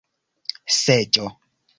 seĝo